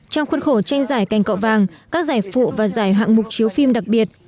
trong khuân khổ tranh giải cành cậu vàng các giải phụ và giải hạng mục chiếu phim đặc biệt